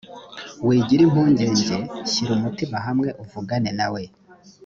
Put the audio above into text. wigira impungenge shyira umutima hamwe uvugane na we